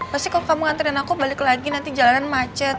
pasti kalau kamu nganterin aku balik lagi nanti jalanan macet